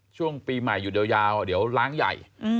ช่วงปีใหม่อยู่ยาวเดี๋ยวล้างใหญ่